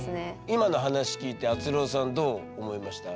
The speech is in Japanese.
今の話聞いてあつろーさんどう思いました？